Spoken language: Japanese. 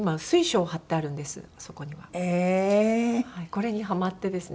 これにハマってですね。